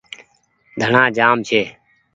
ڌڻآ جآم ڇي۔